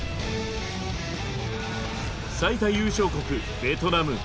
最多優勝国ベトナム。